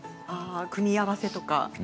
組み合わせとか。